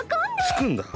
つくんだ。